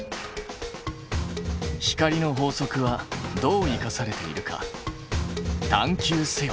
光の法則はどう生かされているか探究せよ！